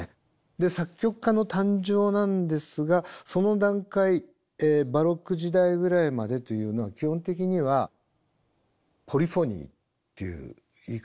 で作曲家の誕生なんですがその段階バロック時代ぐらいまでというのは基本的にはポリフォニーという言い方をします。